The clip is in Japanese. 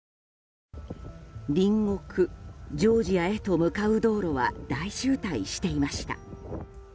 隣国ジョージアへと向かう道路は大渋滞していました。